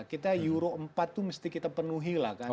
kita euro empat itu mesti kita penuhi lah kan